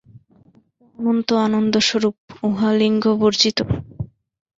আত্মা অনন্ত আনন্দস্বরূপ, উহা লিঙ্গবর্জিত।